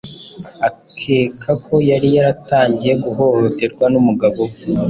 akeka ko yari yaratangiye guhohoterwa n'umugabo we